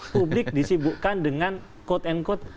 publik disibukkan dengan quote and quote